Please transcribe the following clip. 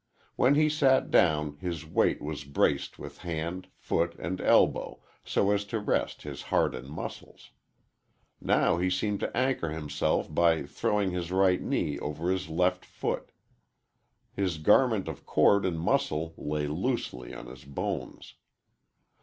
When he sat down his weight was braced with hand, foot, and elbow so as to rest his heart and muscles. Now he seemed to anchor himself by throwing his right knee over his left foot. His garment of cord and muscle lay loosely on his bones.